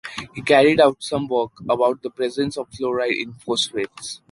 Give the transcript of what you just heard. He carried out some work about the presence of fluoride in phosphates.